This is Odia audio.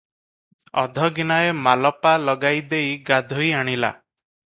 ଅଧଗିନାଏ ମାଲପା ଲଗାଇ ଦେଇ ଗାଧୋଇ ଆଣିଲା ।